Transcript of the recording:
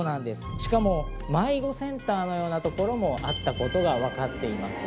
しかも迷子センターのようなところもあったことが分かっています。